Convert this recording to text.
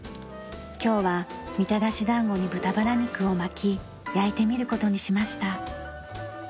今日はみたらし団子に豚バラ肉を巻き焼いてみる事にしました。